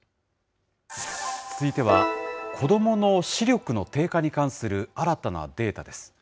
続いては、子どもの視力の低下に関する新たなデータです。